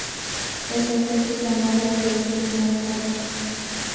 Es entonces la madre el primer otro.